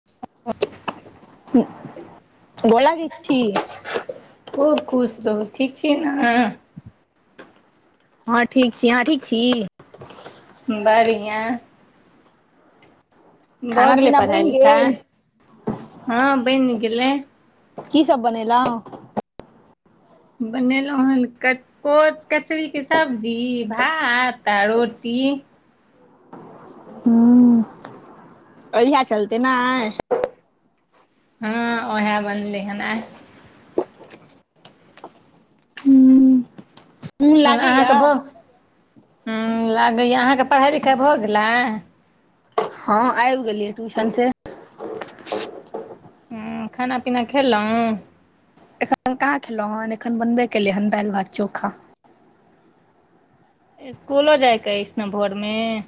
ब प खूब खुश रहू ठीक छी ने हँ ठीक छी हँ ठीक छी बढ़ियाँ भऽ खाना गेलै पीना बनि पढ़ाइ गेल लिखाइ हँ बनि गेलै की सब बनेलहु बनेलहुँ हन क कोच कचरीे सब्जी भात आ रोटी हूँ [unintelligible] बढ़िया चलते ने हँ ओएह बनले हन आय मोन म लागैया अहाँके भ लागैया अहाँके पढ़ाइ लिखाइ भ गेलैय हँ आब गेलियै ट्यूशन से हु खाना पीना खेलहुँ एखन कहाँ खेलहुँ हेन एखन बनबे केले हन दालि भात चोखा इसकुलो जायके अइसना भोर में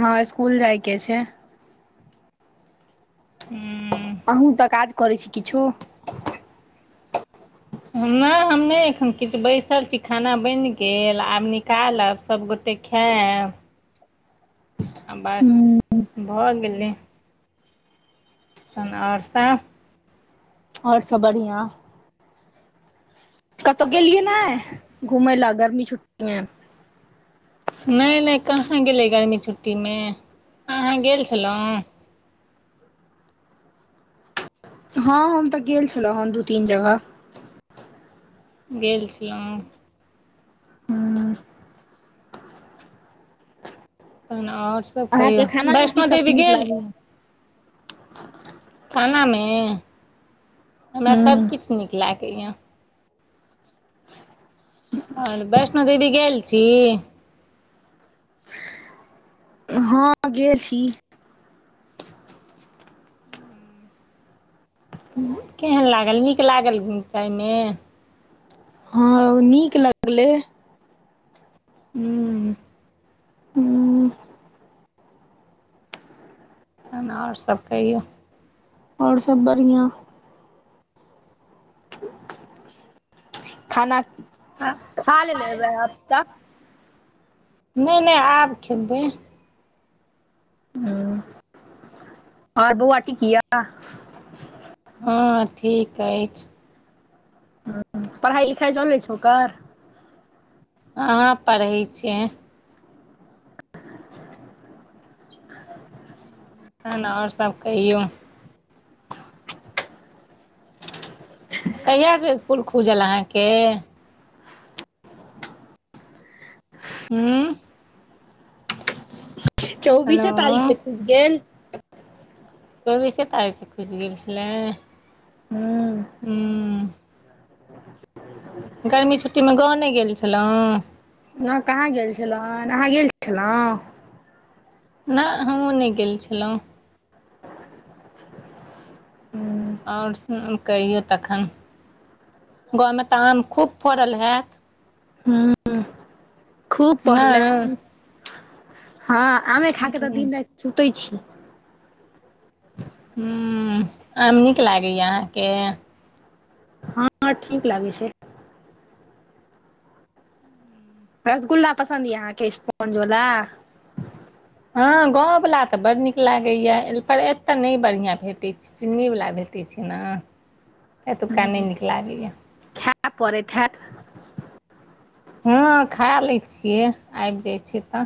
हँ स्सकुल जाइ के ऐछ नहि अहूँ तऽ काज करै छी किछो नहि हम नहि एखन किछु बैसल छी खाना बनि गेल आब निकालब सभगोटे खेब बस हूँ भऽ गेलै तहन आओर सभ आओर सब बढ़िआँ कतौ गेलेलियए न ह घुमैलय गर्मी छुट्टी के छुट्टी मे नहि नहि कहाँ गेलै गर्मी छुट्टी मे अहाँ गेल छलो हँ हम तऽ गेल छलहुँ हेँ दू तीन जगह गेल छलहुँ हूँ आओर सब कहियौ अहाँके खानामे की वैष्णो सब देवी नीक गेल लागैया खानामे हमरा हूँ सभकिछ नीक लागैए या ह [inaudible] और वैष्णो देवी गेल छी हँ गेल छी केहन लागल नीक लागल [unintelligible] जाइमे हँ नीक लगलै हूँ हू तहनओर सब कहियौ आओर सब बढ़िया खाना खा ले ले हेबै अब नहि नहि आब खबै ह आओर बौआ टीक या हँ ठीक अछि पढ़ाइ लिखाइ चलै छै ओकर अहाँ पढ़ै छै अच्छा ठीकइ [inaudible] [unintelligible] ह ने और सब कहियौ कहियाँ से इसकुल खुजल अहाँके हूँ हेलो चौबीसे तारिक़ से खुल गेल चौबीसे तारीखसँ खुल गेल छलै हू हुं गर्मी छुट्टीमे गाँव नय गेल छलहुँ ना कहाँ गेल छलहुँ अहाँ गेल छलहुँ नहि हमहुँ नहि गेल छलहुँ हूँ ओर कहियौ तखन गाँवमे तऽ आम खूब फड़ल हैत हूँ खूब पड़लै नहि हँ आमे खाक तऽ हूँ दिन राति सुतै छी हुं आम नीक लागैया अहाँके हँ ठीक लागै छै रसगुल्ला पसन्द यऽ अहाँके स्पोंज बला हँ गाँंववला तऽ बड नीक लागैया पर एतय नहि बढ़िआं भेटैत छै चिन्नीवला भेटय छै न एतुका नय हूँ नीक लागैया खाय परेत हेत हँ खा लै छियै आबि जाइ छय तऽ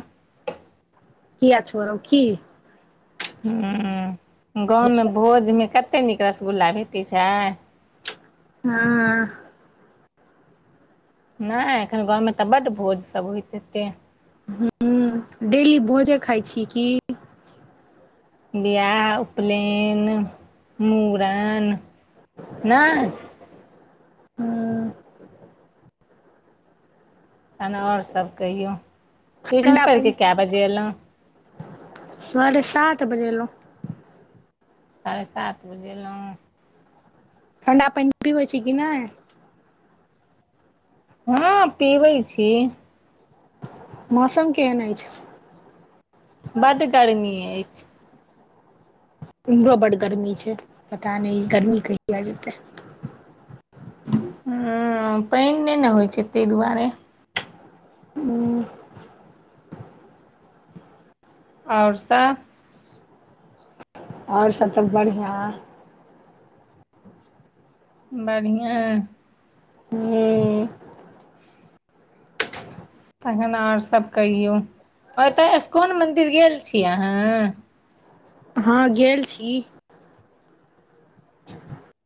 कीआ छोरब की हुं गाँवमे हँ भोजमे कते नीक रसगुल्ला भेटै छै हँ हँ नय एखन गाँवमे तऽ बड भोज सब होइत हेतै डेली भोजे खाइ छी कि बियाह उपनयन मुड़न नय ह तहन आओर सब कहियौ ट्यूशन ठण्डा पानि पढ़िकऽ कए बजे अयलहुँ साढ़े सात बजे अयलहुं साढ़े सात बजे एलहुँ ठण्डा पइन पिवै छि कि नय हँ पीबै छी मौसम केहन अछि बड गड़मी अछि उमरो बड गरमी छै पता नय इ गर्मी कहिआ जेतै हं पइन नइ ने होइ छै तइ दुआरे हूँ आओर सब आओर सब त बढ़िआं बढ़िआँ ह तखन आओर सब कहियौ एतऽ स्कन मन्दिर गेल छी अहाँ हँ गेल छी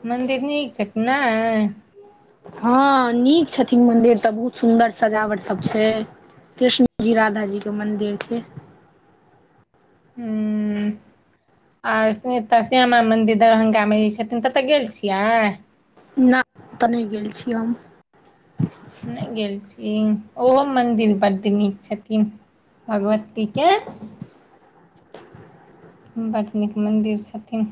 मंन्दिर नीक छै नय हँ नीक छथिन मंन्दिर तऽ बहुत सुन्दर सजावट सब छै कृष्णजी राधाजीके मन्दिर छै आओर से एतऽ श्यामा मन्दिर दरभंगामे जे छथिन ततय गेल छियै नय तऽ नय गेल छी हम नय गेल छी ओहो मन्दिर बड्ड नीक छथिन भगवती के बड नीक मन्दिर छथिन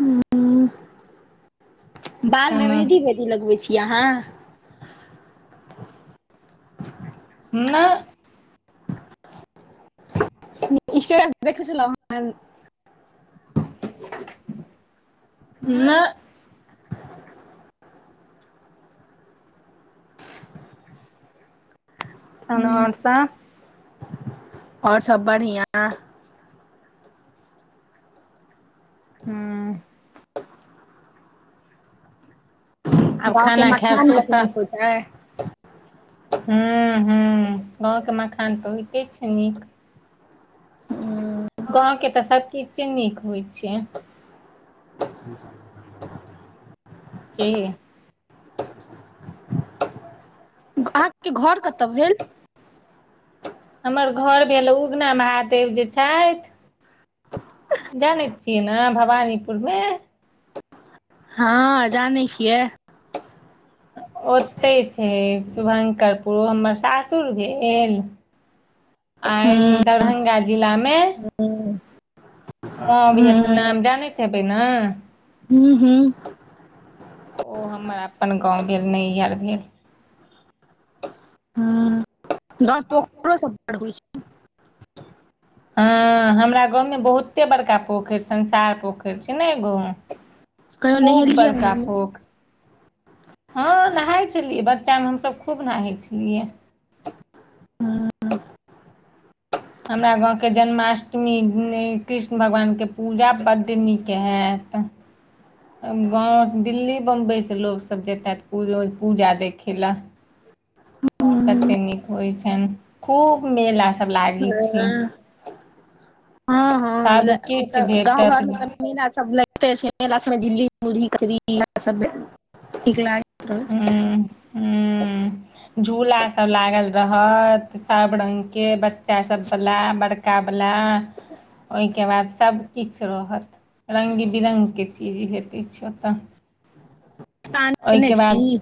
हं बालमे मेहदी तहन वेहदी लगबै छी अहाँ नहि इंस्टाग्राम पर देखै छलू हन नहि तहन ओर सब आओर सब बढ़िया हू आब गाँव के खाना खायब मखान कते नीक सुतब होय छै हू हू गाँंवके मखान तऽ होहिते छै नीक गाँवके तऽ सभकीछु नीक होइ छै [inaudible] कि अहाँके घर कतऽ भेल हमर घर भेल उगना महादेव जे छथि जानैत छियै नऽ भवानीपुरमे हँ जानै छियै ओतहि छै शुभंकरपुर हमर सासुर भेल आ हूँ दरभंगा जिलामे हूँ मभहट नाम जानैत हेबै नऽ हू हू ओ हमर अपन गाँव भेल नैहर भेल हू गाँव में पोखरो सब बड होइ छै हँ हमरा गाँवमे बहुते बड़का पोखरि संसार पोखरि छैने एगो छै कहियो खूब नहेलियै हन बड़का खोख हँ नहाइ छलियै बच्चामे हमसभ खूब नहाइत छलियै ह [inaudible] हमरा गाँवके जन्माष्टमी कृष्ण भगवानके पूजा बड्ड नीक हेत हेयत गाँव दिल्ली बम्बइसँ लोकसभ जेतेथ पूजा देखै लए ततेक नीक होइ छनि खूब मेला सभ लागै छीिय ओइमे हँ हँ ओ तऽ गाँव भेटत घर मे त मेला सब होतेय से मेला सब म झिल्ली मुरही कचरी ई हाय सब निक लागे छैय हू हू झूला सब लागल रहत सब रंग के बच्चा सब बला बड़का बला ओहिके बाद सभकिछु रहत रंग बिरंग के चीज भेटै छै ओतऽ पान खेने ओहिके बाद छी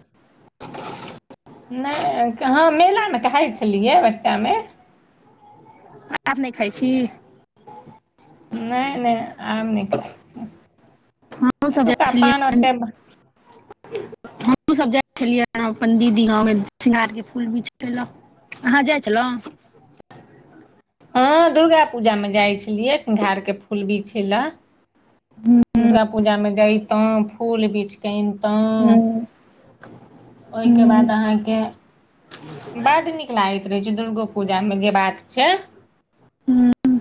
नहि हँ मेलामे खाय छलियै बच्चामे आब नहि खाय छी नहि नहि आम नहि खाय छी हमहु सब जाइ एतुका छलियै पान ओते हमहूँ सब जाय छलियै अपन दीदी गाव में सिंघार के फूल बिछेलय अहाँ जाइ छलहुँ हँ दुर्गा पूजामे जाइ छलियै सिंघार के फूल बिछे लय दुर्गा पूजामे जयैतहुँ फूल बिछ कऽ अनतहुँ हुँ ओहि के बाद अहां के बड निक लागे त रहे छै दुर्गो पूजा में जे बात छै हं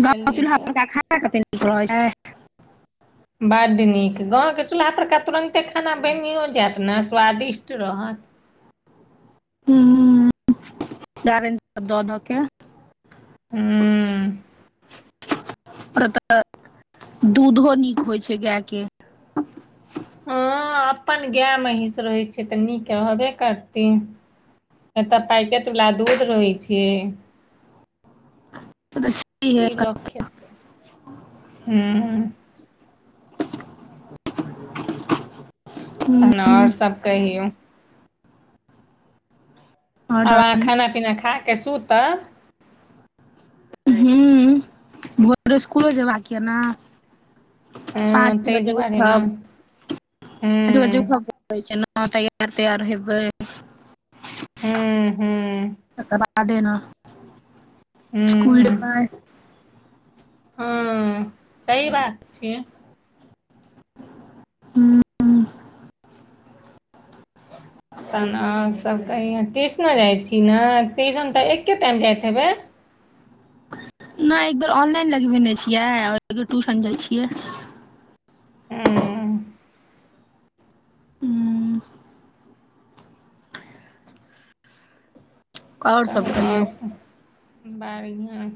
ग चूल्हा की परड़का खाना कते नीक रहैत छै बड्ड नीक गाँवके चूल्हापरके तुरन्ते खाना बनिओ जयत ने स्वादिष्ट रहत दं [unintelligible] द द के हं [inaudible] दूधो नीक होइ छै गै के हँ अपन गै महीष रहै छै तऽ नीक रहबे करतै एतय पैकेटवला दूध रहै छिये से तऽ की छैहे लोक खेतइ हँ हुँ ओर सब कहियौ आब आओर अहाँ खाना पीना खा कऽ सुतब हूँ भोर इसकुलो जेयबाक य ने हँ पाँच ताहि बजे दुआरे ने उठब हूँ पाँच बजे उठब ै [inaudible] छै न तैयार तैयार हेबै हूँ हूँ [inaudible] देना सकूल हूँ जेबइ हँ सही बात छियै हँ तहन और सब कहियो ट्यूशनो जाइ छी ने ट्यूशन तऽ एके टाइम जाइत हेबै नय एकबेर ऑनलाइन लगबेने छियै बेर ट्यूशन जाइ छियै हं हूँ आओर सब तहन ओर कहियौ सब बढ़िआँ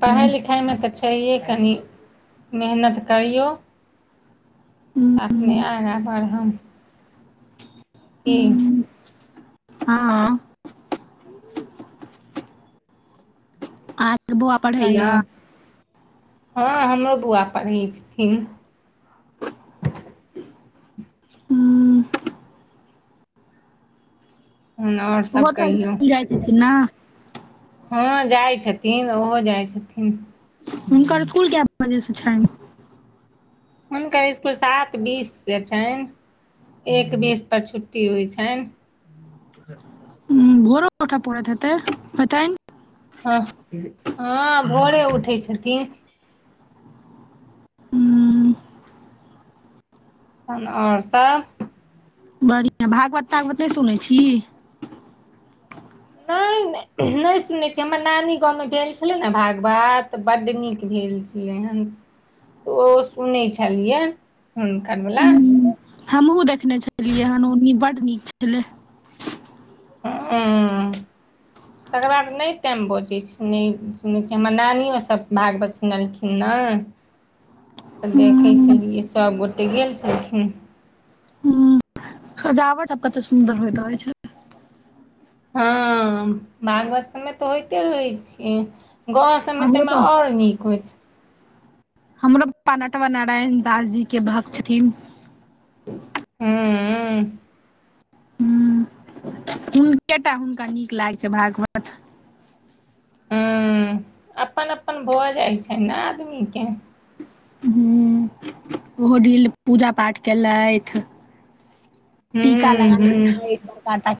पढ़ाइ लिखाइमे तऽ छैहे कनी मेहनत करियौ अपने आगाँ बढ़ब की हँ अहा के त बौआ पट ह हँ हमरो बउआ पढ़ै छथिन हूँ हन ओर सब ओहो तऽ कहियौ इसकुल जाइत हेथिन ने हँ जाइ छथिन ओहो जाइ छथिन हुनकर स्कूल कय बजे से छ हुनकर इसकुल सात बीससँ छनि एक बीस पर छुट्टी होइ छैन हं भोरो उठए पड़ैत हेतै होतेन हाँ हा भोरे उठै छथिन हूँ तहन और सब बढ़िआँ भागवत तागवत नय सुनै छी नै ने नै सुनय छि हमर नानी गाँव में भेल छलै ने भागवत बड़ नीक भेल ल्य हन तऽ ओ सुनै छलियै हुनकर बला हमहुँ देखने छलियै हेन बड़ नीक छलै आं तकर बाद नय टाइम बचै छै नय सुनैत छी हमर नानियो सब भागवत सुनलखिन न तऽ देखै हूँ छलियै सब गोटे गेल छलखिन हूँ सजावट सब कते सुंदर होइत रहै छै हँ बागवत सबमे तऽ होइते रहै छी गाँव सबमे हमरो तैमे तऽ और नीक होइ छै हमरो पप्पा नटवर नारायण दास जी के भक्त छथिन हूंम्म हूंम्म हुनके टा हुनका नीक लागै छै भागवत हूंम्म अपन अपन भऽ जाइ छै ने आदमीके हूंम्म ओहो डील पूजा पाठ केलथि टीका हूँ लगा लै हूँ छै बड़का टा के